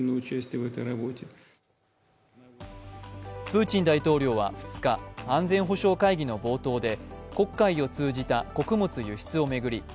プーチン大統領は２日安全保障会議の冒頭で黒海を通じた穀物輸出を巡り